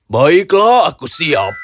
baiklah aku siap